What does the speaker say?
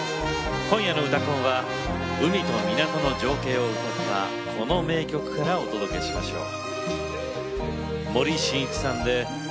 今夜の「うたコン」は海と港の情景を歌ったこの名曲からお届けしましょう。